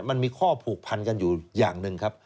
มันมีข้อผูกพันกันอยู่อย่างหนึ่งครับ